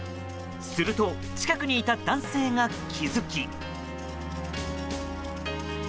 すると近くにいた男性が気づき。